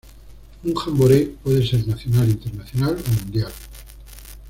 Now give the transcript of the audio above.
Un "jamboree" puede ser nacional, internacional o mundial.